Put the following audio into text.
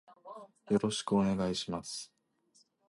よろしくお願いします。